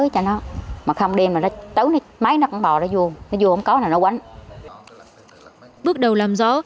công an huyện nghĩa hành tập trung điều tra mở rộng làm rõ